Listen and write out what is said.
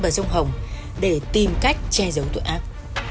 trông hồng để tìm cách che giấu tội ác